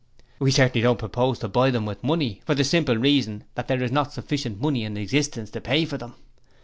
'We certainly don't propose to buy them with money, for the simple reason that there is not sufficient money in existence to pay for them.